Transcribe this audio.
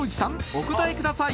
お答えください